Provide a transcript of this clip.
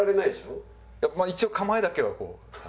まあ一応構えだけはこう。